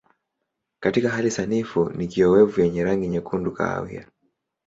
Katika hali sanifu ni kiowevu yenye rangi nyekundu kahawia.